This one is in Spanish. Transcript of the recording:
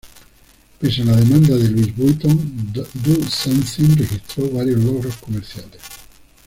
Pese a la demanda de Louis Vuitton, "Do Somethin'" registró varios logros comerciales.